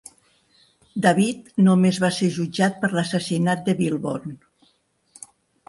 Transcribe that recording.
David només va ser jutjat per l'assassinat de Wilborn.